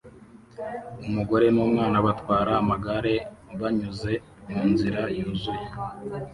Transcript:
Umugore numwana batwara amagare banyuze munzira yuzuye